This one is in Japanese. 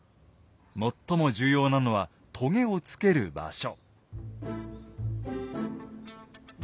最も重要なのはとげを付ける場所。